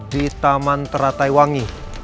di taman terataiwangi